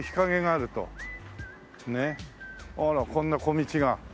あらこんな小道が。